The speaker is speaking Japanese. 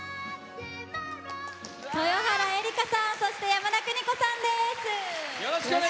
豊原江理佳さんそして山田邦子さんです。